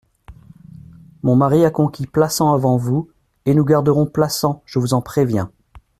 Mon mari a conquis Plassans avant vous, et nous garderons Plassans, je vous en préviens.